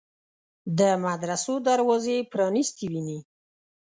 د مدرسو دروازې پرانیستې ویني.